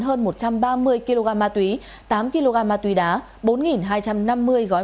hơn một trăm ba mươi kg ma túy tám kg ma túy đá bốn hai trăm năm mươi gói ma